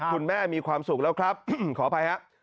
มีความสุขแล้วครับขออภัยครับ